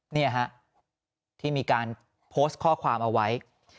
นี่ฮะที่มีการโพสต์ข้อความเอาไว้